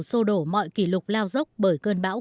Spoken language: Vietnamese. sô đổ mọi kỷ lục lao dốc bởi cơn bão